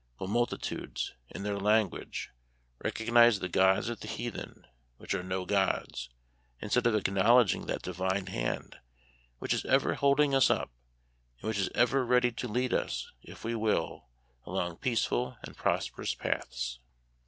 will multitudes, in their language, recognize the gods of the heathen, which are no gods, instead of acknowledging that Divine Hand which is ever holding us up, and which is ever ready to lead us, if we will, along peaceful and prosperous paths